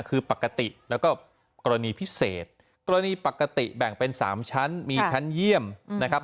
คือปกติแล้วก็กรณีพิเศษกรณีปกติแบ่งเป็น๓ชั้นมีชั้นเยี่ยมนะครับ